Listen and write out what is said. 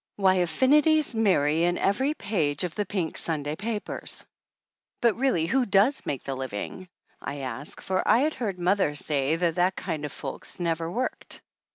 "Why, affinities marry in every page of the pink Sunday papers !" "But really who does make the living?" I asked, for I had heard mother say that that kind of folks never worked.